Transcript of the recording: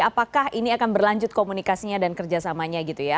apakah ini akan berlanjut komunikasinya dan kerjasamanya gitu ya